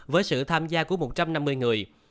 với sự tham gia của một trăm năm mươi người